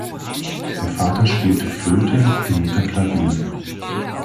Der Vater spielte Flöte, die Mutter Klavier.